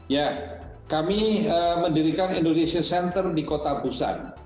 ya kami mendirikan indonesia center di kota busan